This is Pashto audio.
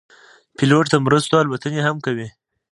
پیلوټ د مرستو الوتنې هم کوي.